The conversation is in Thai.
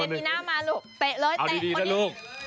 หน้ามาลูก